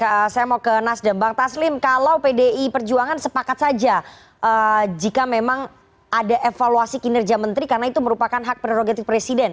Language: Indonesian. oke saya mau ke nasdem bang taslim kalau pdi perjuangan sepakat saja jika memang ada evaluasi kinerja menteri karena itu merupakan hak prerogatif presiden